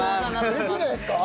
嬉しいんじゃないですか？